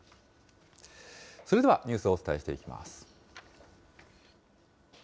それではニュースをお伝えしていきます。